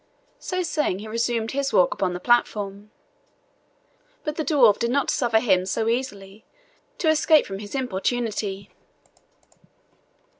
So saying, he resumed his walk upon the platform; but the dwarf did not suffer him so easily to escape from his importunity.